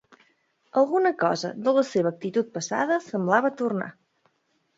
Alguna cosa de la seva actitud passada semblava tornar.